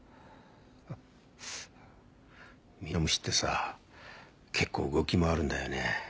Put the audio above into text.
ミノムシってさ結構動き回るんだよね。